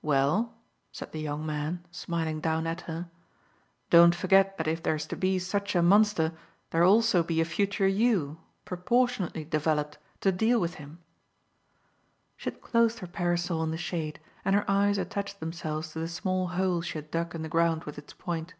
"Well," said the young man, smiling down at her, "don't forget that if there's to be such a monster there'll also be a future you, proportionately developed, to deal with him." She had closed her parasol in the shade and her eyes attached themselves to the small hole she had dug in the ground with its point.